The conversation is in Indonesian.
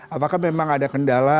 apakah memang ada kendala